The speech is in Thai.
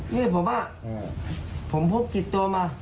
นี่ผมว่าผมพกติดตัวมา